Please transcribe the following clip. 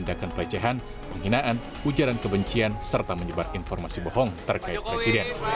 tim pembela jokowi